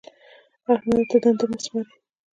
احمد ته دنده مه سپارئ.